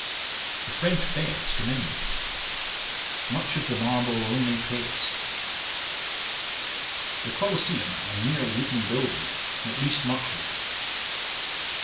'The French beds commended. Much of the marble, only paste. 'The Colosseum a mere wooden building, at least much of it.